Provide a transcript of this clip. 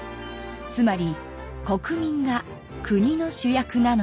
つまり国民が国の主役なのです。